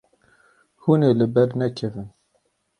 Hûn ê li ber nekevin.